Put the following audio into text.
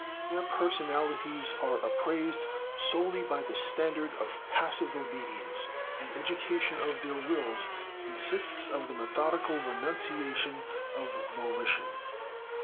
Their personalities are appraised solely by the standard of passive obedience; the education of their wills consists of the methodical renunciation of volition.